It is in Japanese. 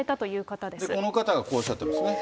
この方がこうおっしゃってますね。